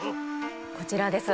こちらです。